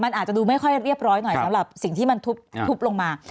มันอาจจะดูไม่ค่อยเรียบร้อยหน่อยสำหรับสิ่งที่มันทุบลงมา